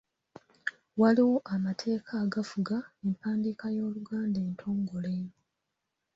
Waliwo amateeka agafuga empandiika y’Oluganda entongole.